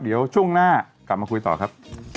เดี๋ยวช่วงหน้ากลับมาคุยต่อครับ